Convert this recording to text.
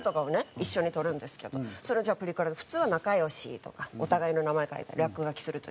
一緒に撮るんですけどそれはじゃあプリクラで普通は「仲良し」とかお互いの名前書いたり落書きする時。